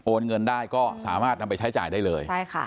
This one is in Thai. เงินได้ก็สามารถนำไปใช้จ่ายได้เลย